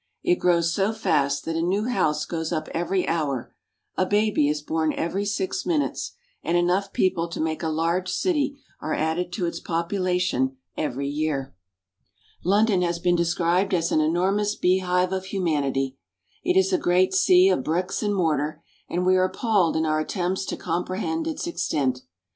It grows so fast that a new house goes up every hour, a baby is born every six minutes, and enough people to make a large city are added to its population every year. LONDON. 67 London has been described as an enormous beehive of humanity. It is a great sea of bricks and mortar, and we are appalled in our attempts to comprehend its extent.